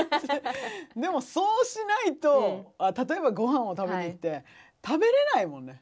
でもそうしないと例えばごはんを食べに行って食べれないもんね